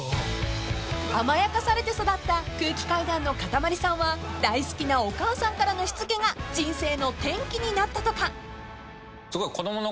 ［甘やかされて育った空気階段のかたまりさんは大好きなお母さんからのしつけが人生の転機になったとか］